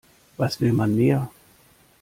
Was will man mehr?